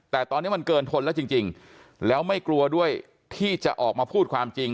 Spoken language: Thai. แต่ตอนนี้มันเกินทนแล้วจริงแล้วไม่กลัวด้วยที่จะออกมาพูดความจริง